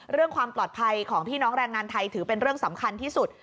เรื่องความปลอดภัยของพี่น้องแรงงานไทยถือเป็นเรื่องสำคัญที่สุด